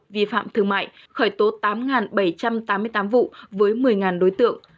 vi phạm thương mại khởi tố tám bảy trăm tám mươi tám vụ với một mươi đối tượng